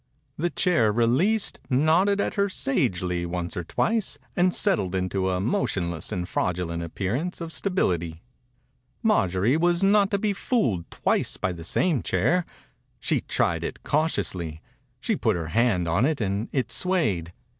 The chair, released, nodded at 90 THE INCUBATOR BABY her sagely once or twice and settled into a motionless and fraudulent appearance of sta bility. Marjorie was not to be fooled twice by the same chair. She tried it cautiously. She put her hand on it and it swayed.